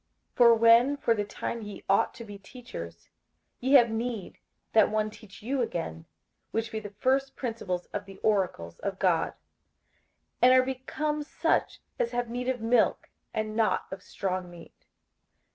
58:005:012 For when for the time ye ought to be teachers, ye have need that one teach you again which be the first principles of the oracles of God; and are become such as have need of milk, and not of strong meat.